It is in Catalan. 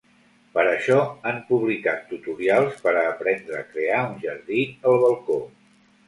Per això, han publicat tutorials per a aprendre a crear un jardí al balcó.